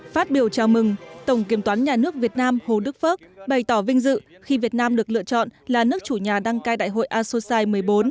phát biểu chào mừng tổng kiểm toán nhà nước việt nam hồ đức phước bày tỏ vinh dự khi việt nam được lựa chọn là nước chủ nhà đăng cai đại hội asosai một mươi bốn